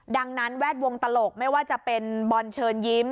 ดังนั้นแวดวงตลกไม่ว่าจะเป็นบอลเชิญยิ้ม